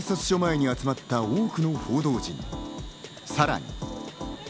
渋谷警察署前に集まった多くの報道陣、さらに。